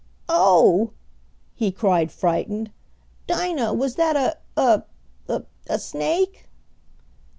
"Oh!" he cried, frightened. "Dinah, was that a a a snake?"